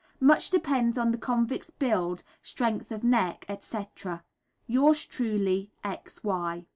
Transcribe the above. Much depends on the convict's build, strength of neck, etc. Yours truly, X. Y.